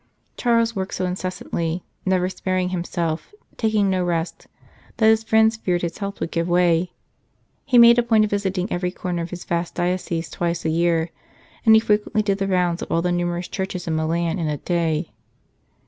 Charles worked so incessantly, never sparing himself, taking no rest, that his friends feared his health would give way. He made a point of visiting every corner of his vast diocese twice a year, and he frequently did the rounds of all 55 St. Charles Borromeo the numerous churches in Milan in a day.